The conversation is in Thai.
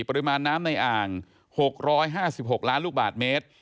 ปริมาณน้ำในอ่าง๖๕๖ล้านลูกบาทเมตร